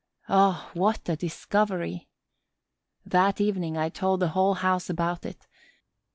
Oh, what a discovery! That evening, I told the whole house about it.